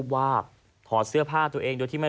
หรือว่าอังแอ